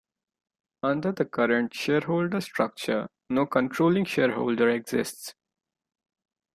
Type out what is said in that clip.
Under the current shareholder structure, no controlling shareholder exists.